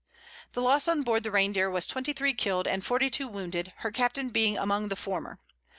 The loss on board the Reindeer was twenty three killed and forty two wounded, her captain being among the former.